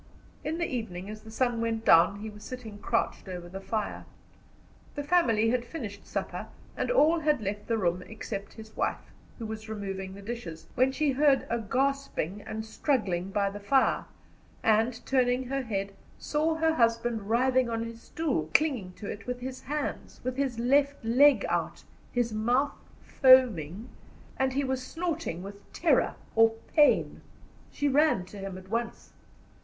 In the evening, as the sun went down, he was sitting crouched over the fire. The family had finished supper, and all had left the room except his wife, who was removing the dishes, when she heard a gasping and struggling by the fire, and, turning her head, saw her husband writhing on his stool, clinging to it with his hands, with his left leg out, his mouth foaming, and he was snorting with terror or pain. She ran to him at once.